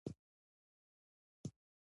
هغه به تر غرمې پورې انتظار کړی وي.